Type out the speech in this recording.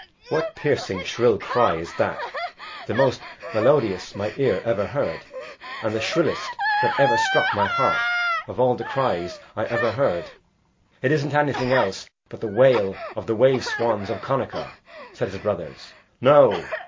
"What piercing, shrill cry is that the most melodious my ear ever heard, and the shrillest that ever struck my heart of all the cries I ever heard?" "It isn't anything else but the wail of the wave swans of Connachar," said his brothers. "No!